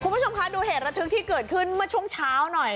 คุณผู้ชมคะดูเหตุระทึกที่เกิดขึ้นเมื่อช่วงเช้าหน่อย